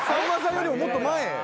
俺よりももっと前。